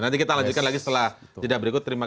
nanti kita lanjutkan lagi setelah jeda berikut